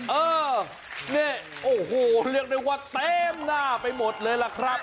เออนี่โอ้โหเรียกได้ว่าเต็มหน้าไปหมดเลยล่ะครับ